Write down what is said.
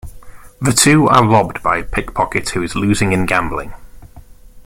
The two are robbed by a pickpocket who is losing in gambling.